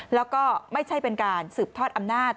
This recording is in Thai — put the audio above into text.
แล้วก็ไม่ใช่เป็นการสืบทอดอำนาจ